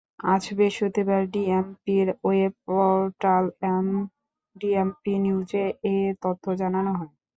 আজ বৃহস্পতিবার ডিএমপির ওয়েব পোর্টাল ডিএমপি নিউজে এ তথ্য জানানো হয়।